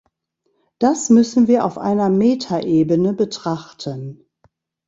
Das müssen wir auf einer Metaebene betrachten.